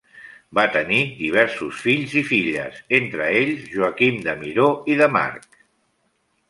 Va tenir diversos fills i filles, entre ells Joaquim de Miró i de March.